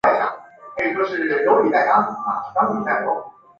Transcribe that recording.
黄光裕现羁押于北京市第二监狱。